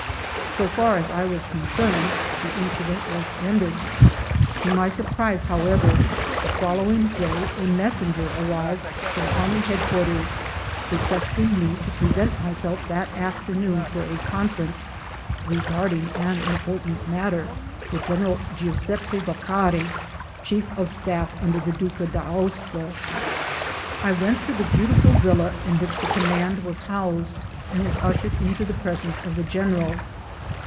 So far as I was concerned, the incident was ended. To my surprise, however, the following day a mes senger arrived from Army Headquarters requesting me to present myself that afternoon for a confer ence "regarding an important matter" with General Giuseppe Vaccari, chief of staff under the Duca d'Aosta. I went to the beautiful villa in which the command was housed and was ushered into the presence of the General.